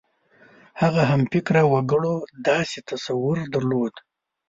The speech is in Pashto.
هغه همفکره وګړو داسې تصور درلود.